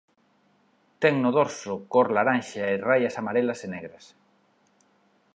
Ten no dorso cor laranxa e raias amarelas e negras.